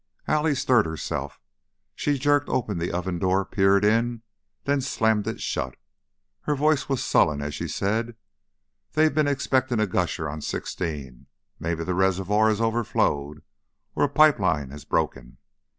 Allie stirred herself; she jerked open the oven door, peered in, then slammed it shut. Her voice was sullen as she said: "They've been expecting a gusher on sixteen. Maybe the reservoirs have overflowed, or a pipe line has broken.